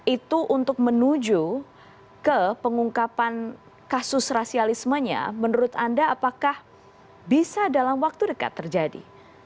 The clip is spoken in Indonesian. itu untuk menuju ke pengungkapan kasus rasialismenya menurut anda apakah bisa dalam waktu dekat terjadi